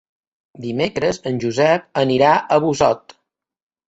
Dimecres en Josep anirà a Busot.